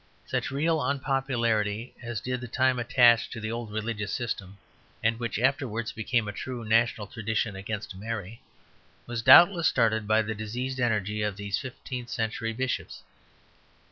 Such real unpopularity as did in time attach to the old religious system, and which afterwards became a true national tradition against Mary, was doubtless started by the diseased energy of these fifteenth century bishops.